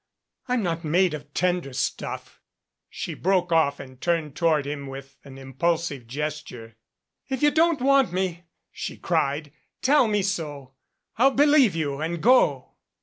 "I'm not made of tender stuff " she broke off and turned toward him with an impulsive gesture. "If you don't want me," she cried, "tell me so. I'll be lieve you and go."